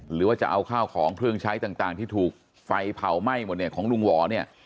หรือว่าจะเอาข้าวของเครื่องใช้ต่างที่ถูกไฟเผาไหม้หมดเนี่ยของลุงหวอเนี่ย